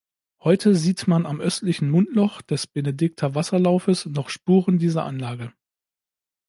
Heute sieht man am östlichen Mundloch des Benedikter Wasserlaufes noch Spuren dieser Anlage.